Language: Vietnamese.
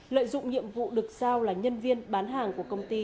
lợi dụng nhiệm vụ được sao là nhân viên bán hàng của công ty